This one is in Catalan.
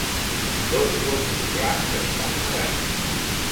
Dos gossos blancs estan nedant.